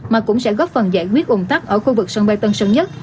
mà cũng sẽ góp phần giải quyết ủng tắc ở khu vực sân bay tân sơn nhất